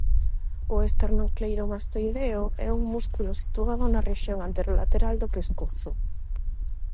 O esternocleidomastoideo é un músculo situado na rexión anterolateral do pescozo.